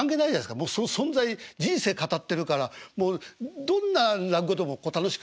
もうその存在人生語ってるからどんな落語でも楽しく聴ける。